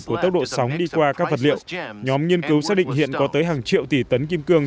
của tốc độ sóng đi qua các vật liệu nhóm nghiên cứu xác định hiện có tới hàng triệu tỷ tấn kim cương